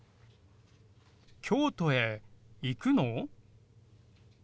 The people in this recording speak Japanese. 京都へ行くの？